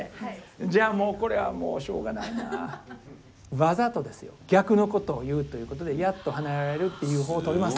じゃあもうこれはもうしょうがないな。わざとですよ逆のことを言うということで「やっと離れられる」っていう方をとります。